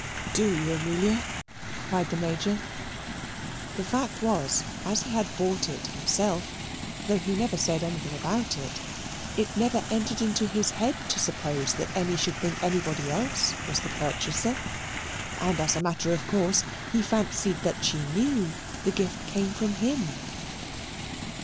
"Do you, Amelia?" cried the Major. The fact was, as he had bought it himself, though he never said anything about it, it never entered into his head to suppose that Emmy should think anybody else was the purchaser, and as a matter of course he fancied that she knew the gift came from him.